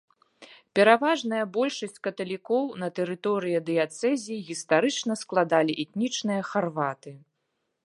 Пераважная большасць каталікоў на тэрыторыі дыяцэзіі гістарычна складалі этнічныя харваты.